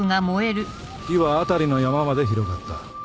火は辺りの山まで広がった。